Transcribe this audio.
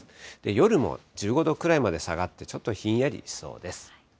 夜も１５度くらいまで下がって、ちょっとひんやりしそうです。